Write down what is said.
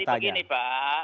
jadi begini pak